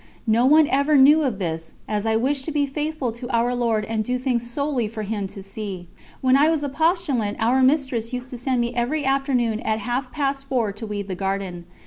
No one ever knew of this, as I wished to be faithful to Our Lord and do things solely for Him to see. When I was a postulant our Mistress used to send me every afternoon at half past four to weed the garden.